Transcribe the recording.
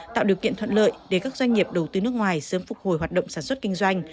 tạo điều kiện thuận lợi để các doanh nghiệp đầu tư nước ngoài sớm phục hồi hoạt động sản xuất kinh doanh